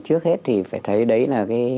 trước hết thì phải thấy đấy là